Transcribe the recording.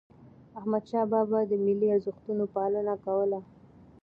احمد شاه بابا د ملي ارزښتونو پالنه کوله.